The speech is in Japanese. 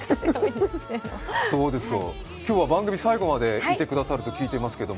今日は番組最後までいてくださると聞いてますけど。